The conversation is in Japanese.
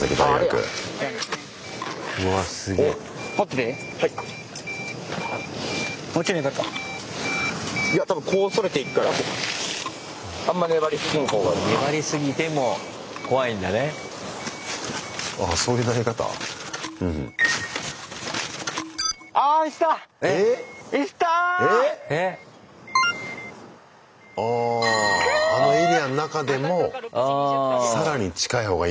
あああのエリアの中でも更に近い方がいいのか道の駅に。